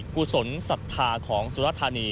กุศลศัฐรรย์ของสุรธานี